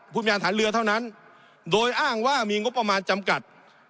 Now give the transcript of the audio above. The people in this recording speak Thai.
พยานฐานเรือเท่านั้นโดยอ้างว่ามีงบประมาณจำกัด